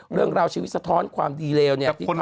เรื่องราวชีวิตสะท้อนความดีเลวเนี่ย